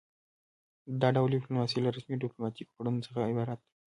دا ډول ډیپلوماسي له رسمي ډیپلوماتیکو کړنو څخه عبارت ده